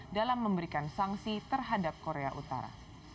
dalam memberikan sanksi terhadap korea utara